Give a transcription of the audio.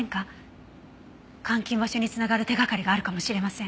監禁場所に繋がる手掛かりがあるかもしれません。